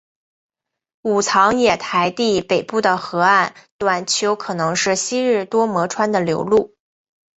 武藏野台地北部的河岸段丘可能是昔日多摩川的流路。